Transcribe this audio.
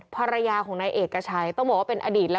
ภรรยาของนายเอกชัยต้องบอกว่าเป็นอดีตแล้ว